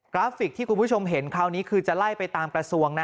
ราฟิกที่คุณผู้ชมเห็นคราวนี้คือจะไล่ไปตามกระทรวงนะ